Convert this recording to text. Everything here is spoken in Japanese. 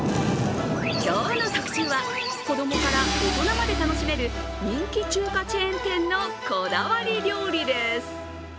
今日の特集は子供から大人まで楽しめる人気中華チェーン店のこだわり料理です。